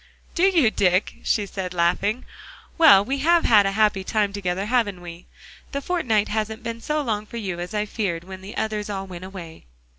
"Do you, Dick?" she said, laughing. "Well, we have had a happy time together, haven't we? The fortnight hasn't been so long for you as I feared when the others all went away."